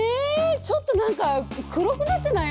ちょっと何か黒くなってない？